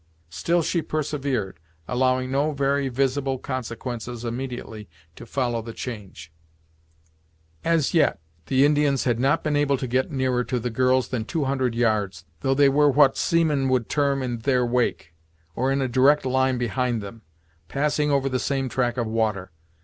Still she persevered, allowing no very visible consequences immediately to follow the change. As yet the Indians had not been able to get nearer to the girls than two hundred yards, though they were what seamen would term "in their wake"; or in a direct line behind them, passing over the same track of water.